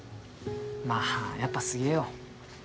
まあやっぱすげえよ。